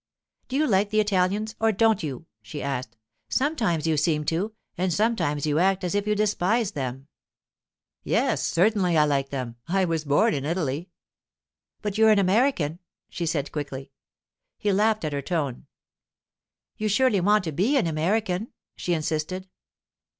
'Do you like the Italians, or don't you?' she asked. 'Sometimes you seem to, and sometimes you act as if you despised them.' 'Yes, certainly I like them; I was born in Italy.' 'But you're an American,' she said quickly. He laughed at her tone. 'You surely want to be an American,' she insisted.